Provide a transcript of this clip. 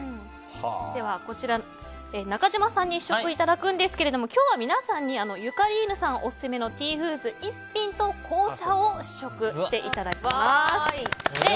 では、こちら中島さんに試食いただきますが今日は皆さんにゆかりーぬさんオススメのティーフーズ１品と紅茶を試食していただきます。